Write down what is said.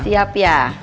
udah siap ya